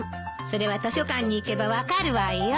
それは図書館に行けば分かるわよ。